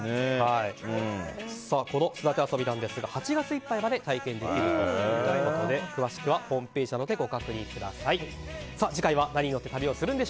このすだて遊びなんですが８月いっぱいまで体験できるということで詳しくはホームページで「ビオレＵＶ」